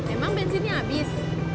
emang bensinnya habis